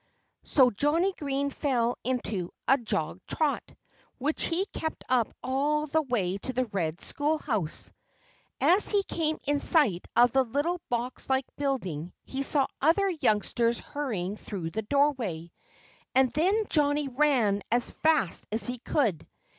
So Johnnie Green fell into a jog trot, which he kept up all the way to the red schoolhouse. As he came in sight of the little box like building he saw other youngsters hurrying through the doorway. And then Johnnie ran as fast as he could.